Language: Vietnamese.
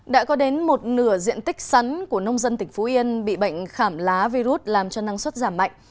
đã có đến một nửa diện tích sắn của nông dân tỉnh phú yên bị bệnh khảm lá virus làm cho năng suất giảm mạnh